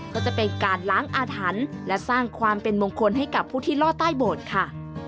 ก็จะเป็นการล้างอาถรรพ์และสร้างความเป็นมงคลให้กับผู้ที่ล่อใต้โบสถ์ค่ะ